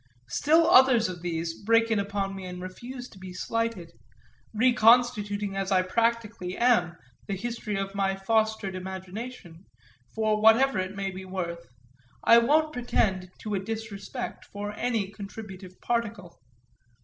Still others of these break in upon me and refuse to be slighted; reconstituting as I practically am the history of my fostered imagination, for whatever it may be worth, I won't pretend to a disrespect for any contributive particle.